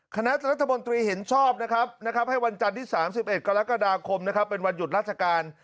คณะรัฐมนตรีเห็นชอบนะครับให้วันจันทร์ที่๓๑กรกฎาคมนะครับเป็นวันหยุดราชการ